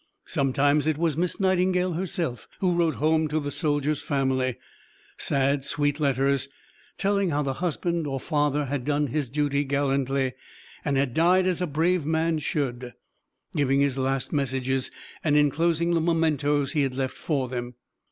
Sometimes it was Miss Nightingale herself who wrote home to the soldier's family; sad, sweet letters, telling how the husband or father had done his duty gallantly, and had died as a brave man should; giving his last messages, and inclosing the mementos he had left for them.